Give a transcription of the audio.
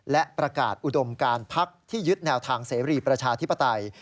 และประกาศอุดมการพักที่ยึดแนวทางเสรีประชาธิปไตย